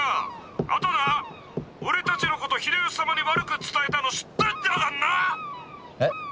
あとな俺たちのこと秀吉様に悪く伝えたの知ってんだかんな！」。え？